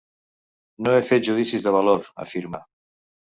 No he fet judicis de valor, afirma.